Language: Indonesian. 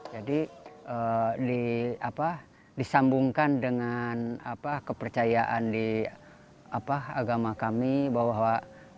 jadi disambungkan dengan kepercayaan di agama kami bahwa